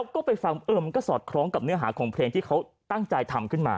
ก็ซอดคล้องกับเนื้อหาของเพลงที่เขาใจติดทำขึ้นมา